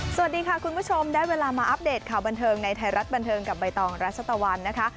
สวัสดีค่ะคุณผู้ชมได้เวลามาอัปเดตข่าวบันเทิงในไทยรัฐบันเทิงกับใบตองรัชตะวันนะคะ